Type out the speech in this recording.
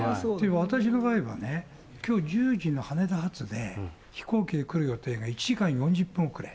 私の場合はね、きょう、１０時の羽田発で飛行機で来る予定が、１時間４０分遅れ。